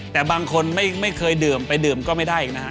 แต่บางคนไม่เคยดื่มไปดื่มก็ไม่ได้อีกนะฮะ